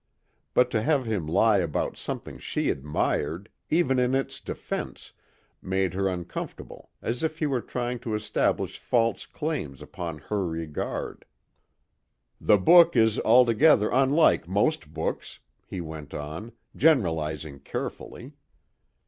But to have him lie about something she admired, even in its defense, made her uncomfortable as if he were trying to establish false claims upon her regard. "The book is altogether unlike most books," he went on, generalizing carefully.